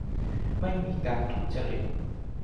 ไม่มีการทุจริต